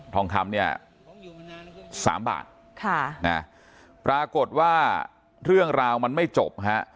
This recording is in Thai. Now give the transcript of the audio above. ทองคำเนี่ยสามบาทค่ะนะปรากฏว่าเรื่องราวมันไม่จบฮะ